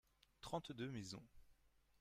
trente deux maisons.